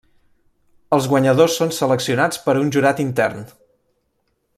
Els guanyadors són seleccionats per un jurat intern.